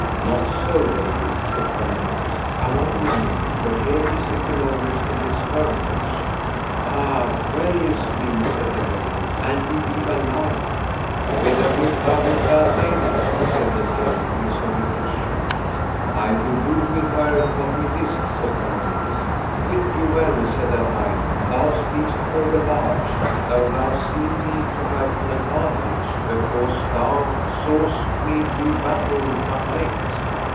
Not so, lady, said Palomides, come on with me, for here is Epinogris in this hermitage. Ah! well is me, said the lady, an he be alive. Whither wilt thou with that lady? said the knight with Sir Ector's shield. I will do with her what me list, said Palomides. Wit you well, said that knight, thou speakest over large, though thou seemest me to have at advantage, because thou sawest me do battle but late.